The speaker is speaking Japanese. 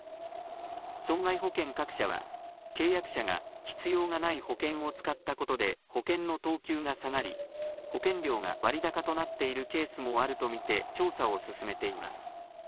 損害保険各社は、契約者が必要がない保険を使ったことで、保険の等級が下がり、保険料が割高となっているケースもあると見て調査を進めています。